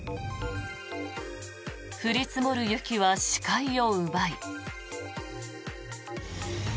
降り積もる雪は視界を奪い。